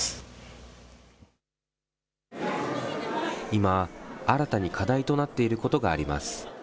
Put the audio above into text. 今、新たに課題となっていることがあります。